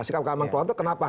sikap keagamaan keluar itu kenapa